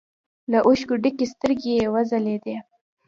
له اوښکو ډکې سترګې يې وځلېدې.